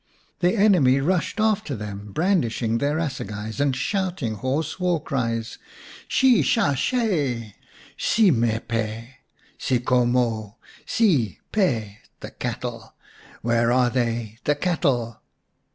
The enemy rushed after them, brandishing their assegais, and shouting hoarse war cries :" Shi sha she ! Si me pe ! Si ko mo ! Si! Pe! The Cattle ! Where are they ? The Cattle